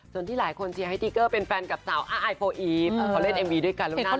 ส่วนที่หลายคนเชียร์ให้ติ๊กเกอร์เป็นแฟนกับสาวอ้าไอโฟอีฟเขาเล่นเอ็มวีด้วยกันแล้วน่ารัก